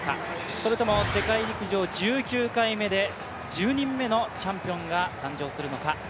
それとも世界陸上１９回目で１０人目のチャンピオンが登場するのか。